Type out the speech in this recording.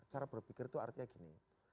cara berpikir itu artinya gini